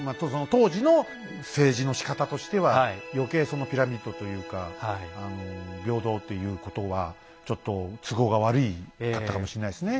当時の政治のしかたとしては余計そのピラミッドというか平等ということはちょっと都合が悪かったかもしれないですね。